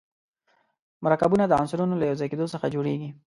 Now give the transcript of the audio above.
مرکبونه د عنصرونو له یو ځای کېدو څخه جوړیږي.